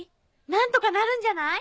何とかなるんじゃない？